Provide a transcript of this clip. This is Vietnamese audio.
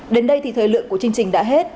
đến đây thì thời lượng của chương trình đã hết